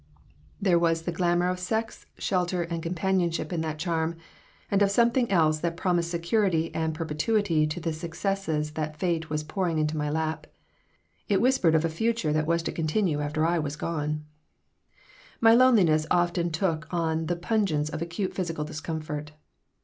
There was the glamour of sex, shelter, and companionship in that charm, and of something else that promised security and perpetuity to the successes that fate was pouring into my lap. It whispered of a future that was to continue after I was gone My loneliness often took on the pungence of acute physical discomfort.